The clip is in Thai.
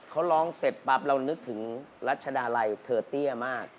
เขาร้องเสร็จปั๊บเรานึกถึงรัชดาลัยเทอร์เตี้ยมาก